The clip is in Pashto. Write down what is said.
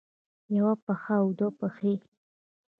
يوه پښه او دوه پښې